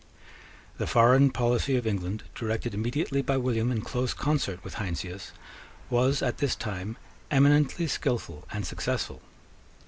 The foreign policy of England, directed immediately by William in close concert with Heinsius, was, at this time, eminently skilful and successful.